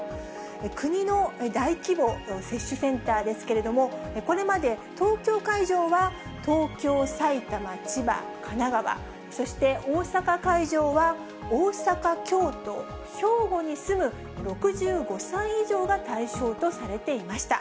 国の大規模接種センターですけれども、これまで、東京会場は東京、埼玉、千葉、神奈川、そして大阪会場は大阪、京都、兵庫に住む６５歳以上が対象とされていました。